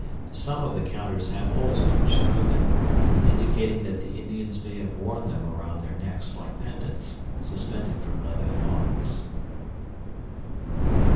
Some of the counters have holes punched through them, indicating that the Indians may have worn them around their necks like pendants, suspended from leather thongs.